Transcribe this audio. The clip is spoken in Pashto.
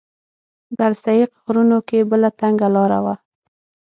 د السیق غرونو کې بله تنګه لاره وه.